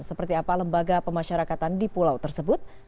seperti apa lembaga pemasyarakatan di pulau tersebut